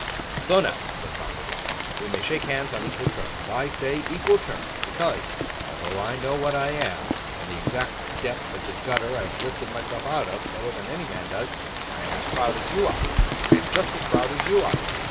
'So now,' said Bounderby, 'we may shake hands on equal terms. I say, equal terms, because although I know what I am, and the exact depth of the gutter I have lifted myself out of, better than any man does, I am as proud as you are. I am just as proud as you are.